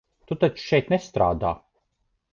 Tu taču šeit nestrādā?